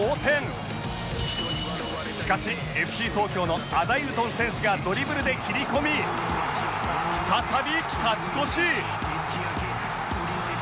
しかし ＦＣ 東京のアダイウトン選手がドリブルで切り込み再び勝ち越し！